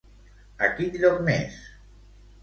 A quin lloc més?